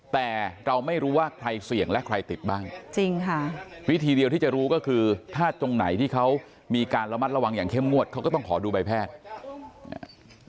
แต่เราไม่รู้ว่าใครเสี่ยงและใครติดบ้างจริงค่ะวิธีเดียวที่จะรู้ก็คือถ้าตรงไหนที่เขามีการระมัดระวังอย่างเข้มงวดเขาก็ต้องขอดูใบแพทย์